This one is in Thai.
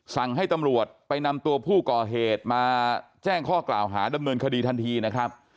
สั่งให้ตำรวจไปนำตัวผู้ก่อเหตุมาแจ้งข้อกล่าวหาดำเนินคดีทันทีนะครับ